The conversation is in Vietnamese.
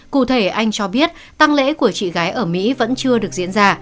cụ thể anh cho biết tăng lễ của chị gái ở mỹ vẫn chưa được diễn ra